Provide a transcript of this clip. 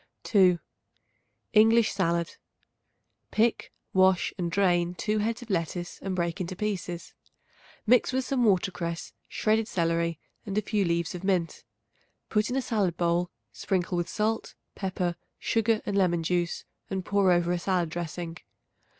2. English Salad. Pick, wash and drain 2 heads of lettuce and break into pieces. Mix with some watercress, shredded celery and a few leaves of mint. Put in a salad bowl, sprinkle with salt, pepper, sugar and lemon juice and pour over a salad dressing.